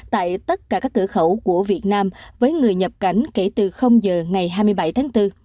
tại tất cả các cửa khẩu của việt nam với người nhập cảnh kể từ giờ ngày hai mươi bảy tháng bốn